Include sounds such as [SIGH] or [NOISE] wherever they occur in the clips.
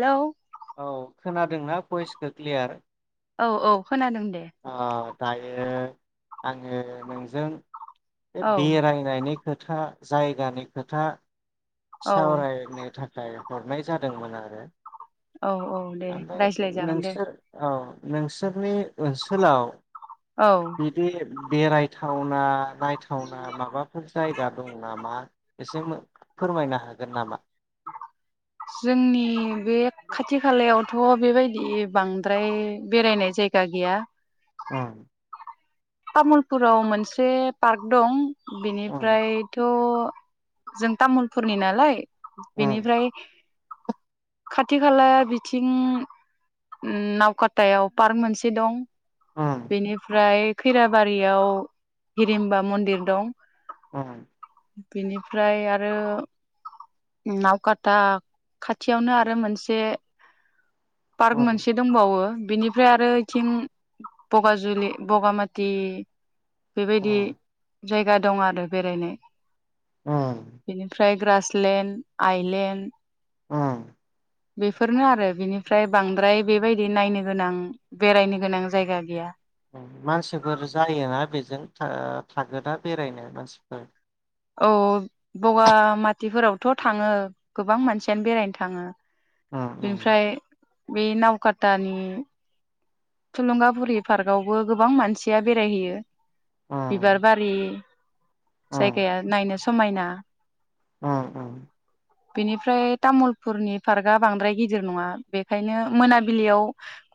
Hello औ खोनादोंना भइसखो क्लियार औ औ खोनादों दे अ दायो आङो नोंजों बे औ बेरायनायनि खोथा जायगानि खोथा औ सावरायनो थाखाय हरनाय जादोंमोन आरो। औ औ दे ओमफ्राय रायज्लाय जागोन दे। नोंसोर औ नोंसोरनि ओनसोलाव औ बिदि बेरायथावना नायथावना माबाफोर जायगा दं नामा एसे मो फोरमायनो हागोन नामा? जोंनि बे खाथि खालायावथ' बेबायदि बांद्राय बेरायनाय जायगा गैया उम तामुलपुराव मोनसे पार्क दं। उम बेनिफ्रायथ' जों तामुलपुरनि नालाय उम बेनिफ्राय खाथि खाला बिथिं नावकातायाव पार्क मोनसे दं। उम बेनिफ्राय खैरा बारियाव हिरिम्बा मन्दिर दं। उम बिनि फ्राय आरो नावकाता खाथियावनो आरो मोनसे पार्क उम मोनसे दंबावो। बिनिफ्राय आरो बिथिं बगाजुलि बगामाथि बेबायदि जायगा दं आरो बेरायनाय। उम बिनिफ्राइ ग्रासलेण्ड आइलेण्ड उम बेफोरनो आरो बेनि फ्राय बांद्राय बेबायदि नायनो गोनां बेरायनो गोनां जायगा गैया। मानसिफोर जायोना बेजों था-थागोना बेरायनो मानसिफोर। औ बगामाथिफोरावथ' थाङो गोबां मानसियानो बेरायनो थाङो। उम उम। बेनिफ्राय बे नाव खातानि थुलुंगाफुरि पार्कआवबो गोबां मानसिया बेरायहैयो। उम बिबार बारि जायगाया नायनो स मायना। अ अ बेनिफ्राय तामुलपुरनि पार्कआ बांद्राय गिदिर नङा बेखायनो मोनाबिलियाव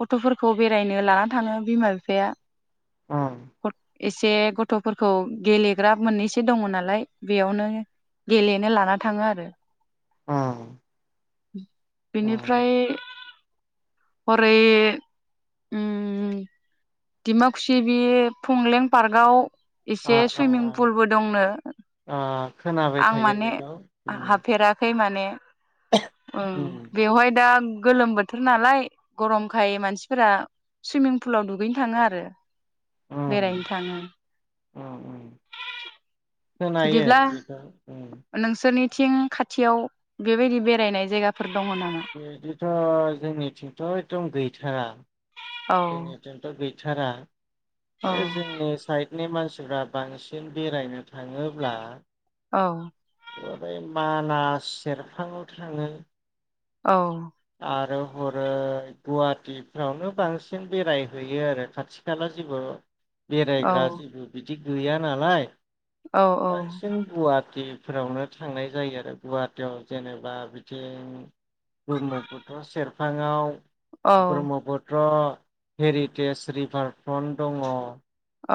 गथ'फोरखौ। बेरायनो लानानै थाङो बिमा बिफाया। उम [INAUDIBLE] एसे गथ'फोरखौ गेलेग्रा मोननैसो दङ नालाय बेयावनो गेलेनो लाना थाङो आरो उम उम बेनिफ्राय हरै उम डिमाकुसि बे फंलें पार्कआव ओ एसे ओ सुइमिं ओ पुलबो दंनो। ओ खोनाबाय आं थायो माने बेखौ उम हाबफेराखै माने। उम बेवहाय दा गोलोम बोथोर नालाय गरमखाय मानसिफोरा सुइमिं फुलाव दुगैनो थाङो आरो बेरायैनो थाङो। अ। खोनायो बेखौ। थिं खाथियाव बेबायदि बेरायनाय जायगाफोर दङ नामा बिदिथ' जोंनिथिंथ' एकदम गैथारा औ जोंनिथिंथ' गैथारा औ ओ जोंनि साइट नि मानसिफ्रा बांसिन बेरायनो थाङोब्ला औ हरै मानास सेरफाङाव थाङो औ आरो हरै गुवाहाटीफ्रावनो बांसिन थिं बेरायहैयो आरो खाथि खाला जेबो बेरायग्रा जेबो बिद बिदि गैया नालाय औ बांसिन गुवाहाटी फोरावनो थांनाय जायो आरो गुवाहाटीयाव जेनेबा बिथिं ब्रह्मपुत्र सेरफाङाआव औ ब्रह्मपुत र' हेरिटेज रिभार फ्रन्ट दङ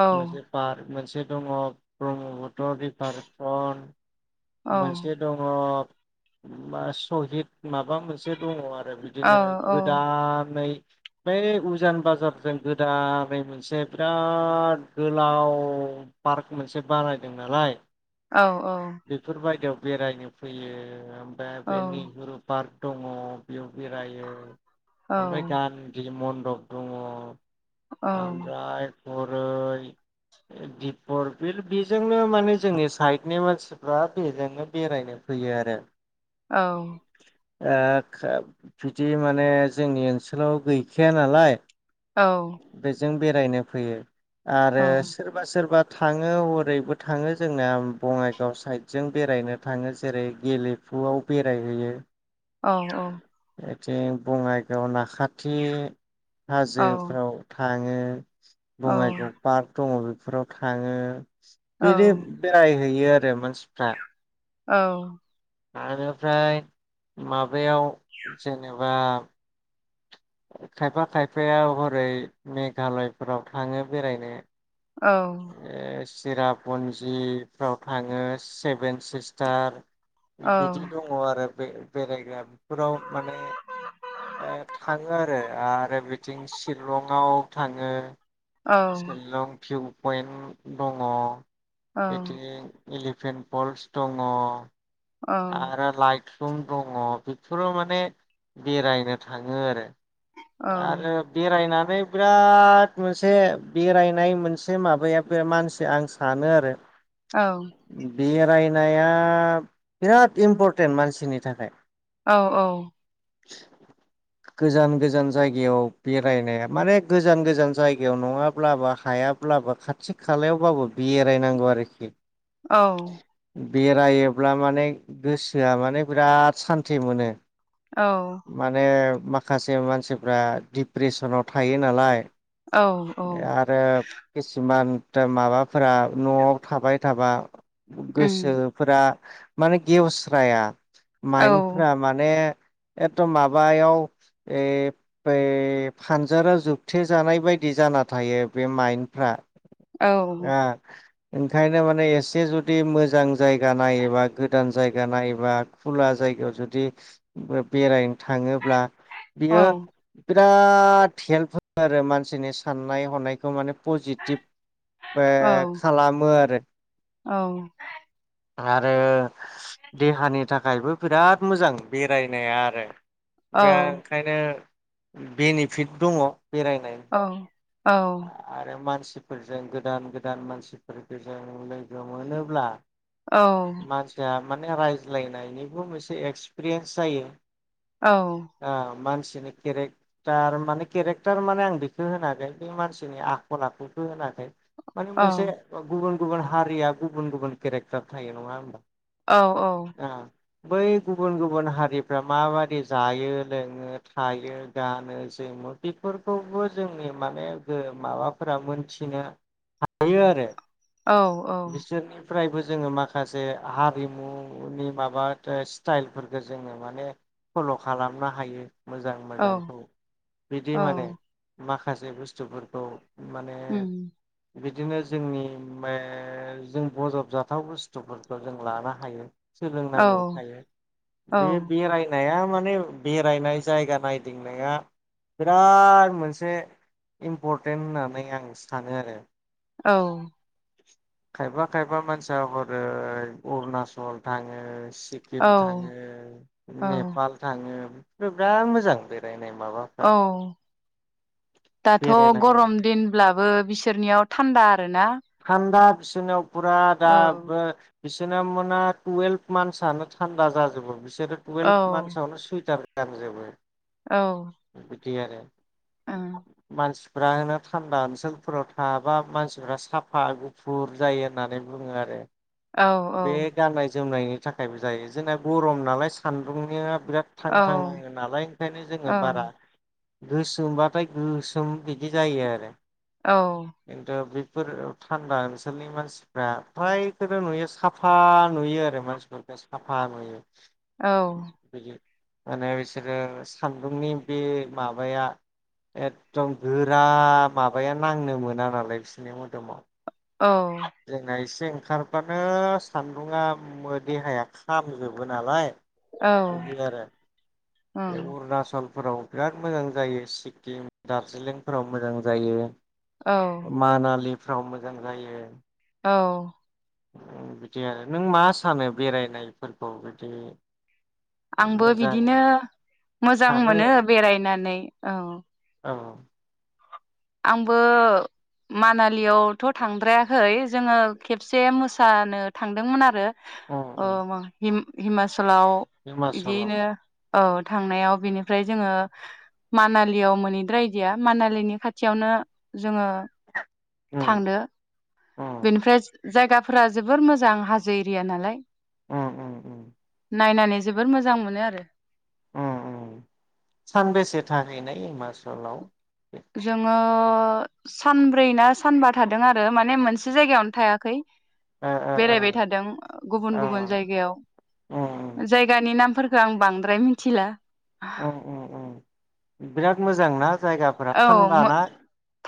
औ पारक मोनसे दङ ब्रह्मपुत्र रिभार फ्रन्ट औ मोनसे दङ मा सहिद माबा मोनसे दङ आरो औ बिदिनो औ औ गोदानै बै उज उजान बाजारजों गोदानै मोनसे बिराद गोलाव पार्क मोनसे बानायदों नालाय। औ औ बेफोरबायदियाव बेरायनो फैयो। ओ बे नेहुरु पार्क। दङ बेयाव। बेरायो ओमफ्राय औ गानदि मन द औ ओमफ्राय हरै दिपर बिल बेजोंनो माने जोंनि साइडनि मानसिफ्रा बेजोंनो बेरायनो फैयो आरो औ ओह खोब बिदि माने जोंनि ओनसोलाव गैखाया नालाय। औ बेजों बेरायनो फैयो। आरो सोरबा सोरबा थाङो हरैबो थाङो जोंना बङाइगाव साइडजों बेरायनो थाङो जेरै गेलेफुआव बेरायहैयो। औ औ जे बङाइगाव नाखा के औ हाजोफ्राव था थाङो। बङाइगाव पार्क दङ बे फोराव थाङो। बिदि बेराय हैयो आरो मानसिफ्रा। औ आरो फ्राय माबायाव जेनेबा खायफा खायफाया हरै मेघालयफोराव थाङो बेरायनो। औ चेरापन्जिफ्राव थाङो सेभेन सिस्टार। औ बिदि दङ आरो बे बेरायग्रा फोराव माने ओ थाङो आरो आरो बिथिं शिलंआव थाङो। औ शिलं भिउ पइन्ट दङ। औ इदि एलिफेन्ट पल्स दङ। औ आरो लाइट लुम दङ बेफोराव माने बेरायनो थाङो आरो। औ आरो बेरायना नै बिराद मोनसे बेरायनाय मोनसे माबाया बे मानसि आं सानो आरो औ। बेरायनाया बिराद इम्परटेन्ट मानसिनि थाखाय। औ औ औ। गोजान गोजान जायगायाव बेरायनाया माने गोजान गोजान जायगायाव नङाब्लाबो हायाब्लाबो खाथि खालायावबाबो बेरायनांगौ आरोखि। औ। बेरायोब्ला माने गोसोआ माने बिराद सान्थि मोनो। माने माखासे मानसिफ्रा डप्रेसनाव थायो नालाय। आरो किसुमान ता माबाफोरा न'आव थाबाय थाबा गोसोफोरा माने गेवस्राया। माइन्फ्रा माने एकदम माबायाव ए बे फानजाराव जोबथेेजानाय बायदि जाना थायो बे माइनफ्रा। औ आ। ओंखायनो माने एसे जुदि मोजां जायगा नायोबा गोदान जायगा नायोबा खुला जायगायाव जुदि ओ बेरायनो थाङोब्ला। औ बियो [UNINTELLIGIBLE] बिराद हेल्प हो आरो मानसिनि साननाय हनायखौ माने पजिटिभ ओ खालामो आरो। औ। आरो देहानि थाखायबो बिराद मोजां बेरायनाया आरो। बे ओंखायनो बेनिफिट दङ। बेरायनाय। औ। आरो मानसिफोरजों गोदान गोदान मानसिफोर जों लोगो मोनोब्ला औ। मानसिया माने रायज्लायनायनिबो मोनसे एक्सपिरियेन्स जायो। आ मानसि बिदिनो केरेक्टार माने केरेक्टार माने आं बेखौ होनाखै। बे मानसिनि आखल आखुखौ होनाखै। माने मोनसे गुबुन। गुबुन हारिया गुबुन गुबुन केरेक्टार थायो नङा होनोमबा? औ औ। बै गुबुन गुबुन हारिफ्रा माबायदि जायो लोङो थायो गानो जोमो बेफोरखौबो जोंनि माने उ माबाफोरा मोनथिनो हायो आरो। औ औ। फ्रायबो जोङो माखासे हारिमुनि माबा स्टाइलफोरखौ जोङो माने फल' खालामनो हायो। मोजां मोजांखौ बिदि माने माखा [UNINTELLIGIBLE] बुस्थुफोरखौ। माने बिदिनो जोंनि [UNINTELLIGIBLE] जों बजबजाथाव बुस्थुफोरखौ जों लानो हायो। सोलोंनांगौ थायो बे बेरायनाया माने बेरायनाय जायगा नायदिंनाया बिराद मोनसे इम्परटेन्ट होननानै आं सानो आरो। औ। खायफा खायफा मानसिया हरै अरुनाचल थाङो सिक्किम थाङो नेपाल थाङो बिराद मोजां बेरायनाय माबाफ्रा दाथ' बेरायनांगौ गरम दिनब्लाबो बिसोरनियाव थान्दा आरो ना थान्दा बिसोरनायाव फुरा दाबो बिसना मानना टुवेल्भ मान्थ थान्दा जाजोबो औ [UNINTELLIGIBLE] सुइटार गानजोबो। औ। [UNINTELLIGIBLE] [UNINTELLIGIBLE] मानसिफ्रा होनो थान्दा ओनसोलफोराव थाबा मानसिफ्रा साफ साफा गुफुर जायो होननानै बुङो आरो औ - औ। बे गाननाय जोमनायनि थाखायबो जायो जोंना गरम नालाय सान्दुंनिया बिराद थां औ थां ओं, नाङो नालाय ओंखायनो जोङो औ बारा गोसोमबाथाय गोसोम बिदि जायो आरो। औ [UNINTELLIGIBLE] बेफोर थान्दा ओनसोलनि मानसिफ्रा फ्रायखोनो नुयो साफा नुयो आरो मानसिफोरखौ साफा नुयो। औ। बिदि माने बिसोरो सान्दुंनि बे माबाया एकदम गोरा माबाया नांनो मोना नालाय बिसोरनि मोदोमाव। औ। जोंना एसे ओंखारबानो सान्दुङा देहाया खामजोबो नालाय। बिदि आरो बे ओं, अरुणचल फोराव बिराद मोजां जायो सिक्किम दार्जिलिंफोराव मोजां जायो। औ मानालि फ्राव मोजां जायो। औ। उम बिदि आरो नों मा सानो बेरायनायफोरखौ बिदि आंबो मोजां बिदिनो मोजां सानो मोनो बेरायनानै औ। औ उम आंबो मानालियावथ' थांद्रायाखै जोङो खेबसे मोसानो थांदोंमोन आरो। अ उम म हिम हिमाच सलाव हिमाचलाव बिदियैनो औ थांनायाव बेनिफ्राय जोङो मानालियाव मोनहैद्रायदिया मानालिनि खाथि खाथियावनो जोङो उम थांदो। उम बेनिफ्राय जायगाफोरा जोबोर मोजां हाजो एरिया नालाय। उम उम उम। नायनानै जोबोर मोजां मोनो आरो। उम उम सानबेसे थाहैनाय हिमाचलाव? ओ जोङो सानब्रै ना सानबा थादों आरो माने मोनसे जायगायावनो थायाखै। ओ ओ बेरायबाय थादों गुबुन ओ गुबुन जायगायाव उम जायगानि नामफोर खो आं बांद्राय मिथिला। [INAUDIBLE] उम उम उम बिराद मोजां ना? औ मो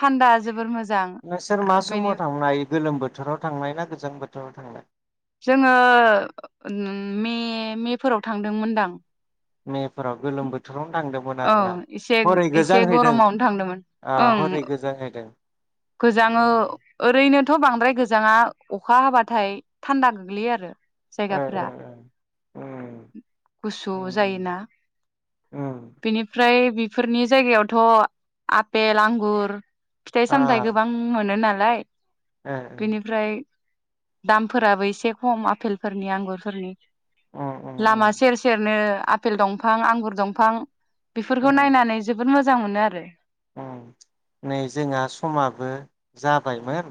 थान्दा। जोबोर मोज नोंसोर मा समाव थांनाय गोलोम बो बोथोराव थांनाय ना गोजां बोथोराव थांनाय? जोङो उम मे मे फोराव थांदोंमोनदां। मेफोराव गोलोम बोथोरावनो थांदोंमोन औ आरोना एसे हरै गोजां एसे हैदों गरमावनो थांदोंमोन आ ओं हरै गोजां हैदों? गोजाङो ओरैनो थ' बांद्राय गोजाङा अखा हाबाथाय थान्दा गोग्लैयो आरो। ओ जायगाफोरा ओ ओ उम गुसु उम उम जायोना उम बेनिफ्राय बि बेफोरनि जायगायावथ' आपेल, आंगुर आ सामथायाइ गोबां मोनो नालाय। लाय ओ बेनिफ्राय दामफोराबो एसे खम आफेलफोरनि आंगुरफोरनि ओ उम उम लामा उम सेर सेरनो आफेल दंफां आंगुर दंफां बिफोरखौ उम नायनानै जोबोद मोजां मोजां मोनो आरो। नै जोंहा समाबो जाबायमोन।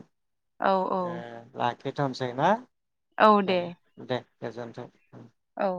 औ औ ए ला खेथनसै ना औ [INAUDIBLE] दे ए दे गोजोनथों। औ